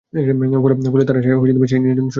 ফলে তাঁরা সেই নির্যাতন সহ্য করলেন।